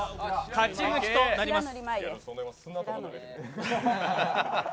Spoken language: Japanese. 勝ち抜きとなります。